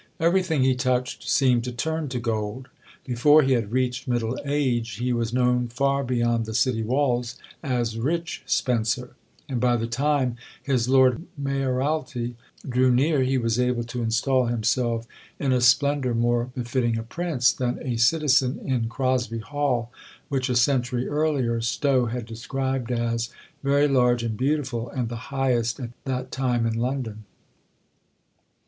Everything he touched seemed to "turn to gold"; before he had reached middle age he was known far beyond the city walls as "Rich Spencer"; and by the time his Lord Mayoralty drew near he was able to instal himself in a splendour more befitting a Prince than a citizen, in Crosby Hall, which a century earlier Stow had described as "very large and beautiful, and the highest at that time in London."